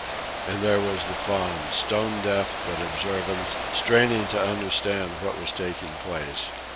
And there was the Faun, stone deaf but observant, straining to understand what was taking place.